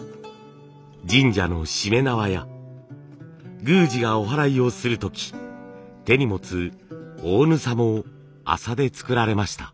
神社のしめ縄や宮司がおはらいをする時手に持つ大麻も麻で作られました。